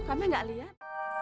kami gak lihat